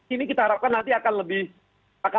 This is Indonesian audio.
ini kita harapkan nanti akan lebih